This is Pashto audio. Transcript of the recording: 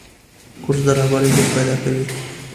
کورس د رهبرۍ حس پیدا کوي.